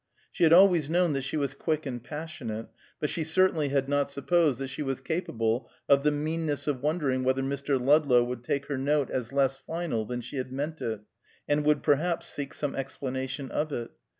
She had always known that she was quick and passionate, but she certainly had not supposed that she was capable of the meanness of wondering whether Mr. Ludlow would take her note as less final than she had meant it, and would perhaps seek some explanation of it.